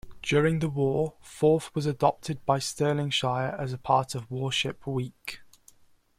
During the war "Forth" was adopted by Stirlingshire as part of "Warship Week".